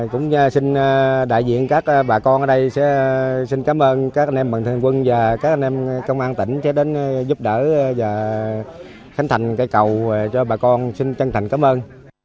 cũng xin đại diện các bà con ở đây sẽ xin cảm ơn các anh em bản thân quân và các anh em công an tỉnh sẽ đến giúp đỡ và khánh thành cây cầu cho bà con xin chân thành cảm ơn